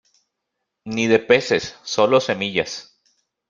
ni de peces, solo semillas.